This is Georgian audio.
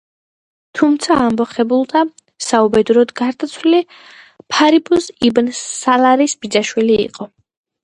თუმცა, ამბოხებულთა საუბედუროდ, გარდაცვლილი ფარიბურზ იბნ სალარის ბიძაშვილი იყო.